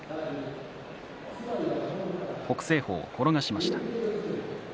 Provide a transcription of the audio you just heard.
北青鵬、転がしました。